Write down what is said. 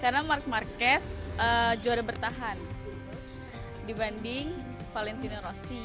karena mark marquez juara bertahan dibanding valentino rosi